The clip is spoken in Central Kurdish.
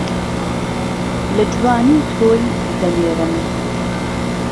له جوانی تۆی دهنێرم